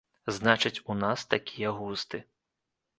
Значыць, у нас такія густы.